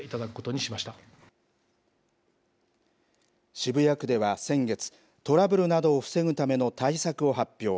渋谷区では先月トラブルなどを防ぐための対策を発表。